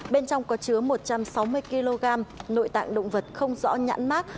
bên trong có chứa một trăm sáu mươi kg nội tạng động vật không rõ nhãn mát